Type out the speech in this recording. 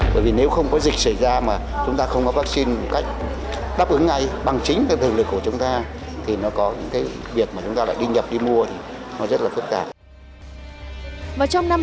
bởi vì nếu không có dịch xảy ra mà chúng ta không có vaccine một cách đáp ứng ngay bằng chính cái thử lực của chúng ta thì nó có những cái việc mà chúng ta lại đi nhập đi mua thì nó rất là phức tạp